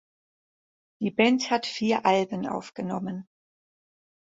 Die Band hat vier Alben aufgenommen.